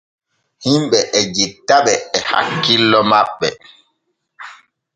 Himɓe e jettaɓe e hakkillo maɓɓe.